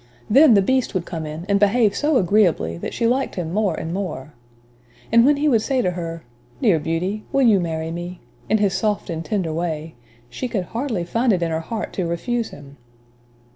Then the Beast would come in and behave so agreeably, that she liked him more and more. And when he would say to her "dear Beauty will you marry me?" in his soft and tender way, she could hardly find it in her heart to refuse him.